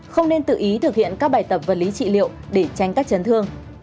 không nên tự ý thực hiện các bài tập vật lý trị liệu để tranh các chấn thương